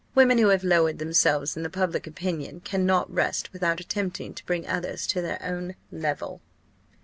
Women who have lowered themselves in the public opinion cannot rest without attempting to bring others to their own level."